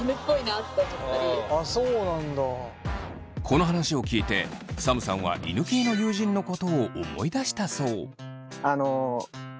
この話を聞いてサムさんは犬系の友人のことを思い出したそう。